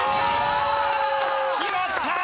決まったー！